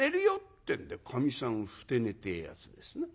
ってんでかみさんふて寝てえやつですな。